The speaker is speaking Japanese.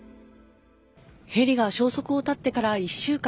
ヘリが消息を絶ってから１週間。